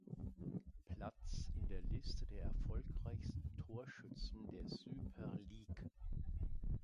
Platz in der Liste der erfolgreichsten Torschützen der Süper Lig.